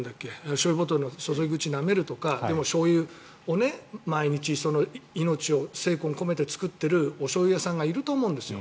しょうゆボトルの注ぎ口をなめるとかでもしょうゆを、毎日命を精魂込めて作っているおしょうゆ屋さんがいると思うんですよ。